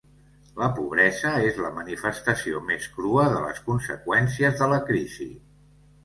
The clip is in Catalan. La pobresa és la manifestació més crua de les conseqüències de la crisi.